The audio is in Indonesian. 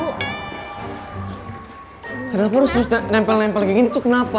kenapa harus nempel nempel kayak gini tuh kenapa